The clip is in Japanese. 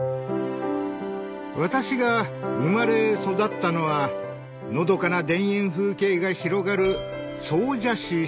私が生まれ育ったのはのどかな田園風景が広がる